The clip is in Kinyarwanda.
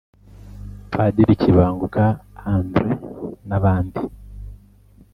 Padiri Kibanguka André n’abandi